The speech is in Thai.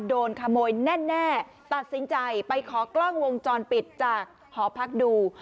โดนขโมยแน่ตัดสินใจไปขอกล้องวงจรปิดจากหอพักดู